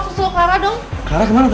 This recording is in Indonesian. kelara kemana tante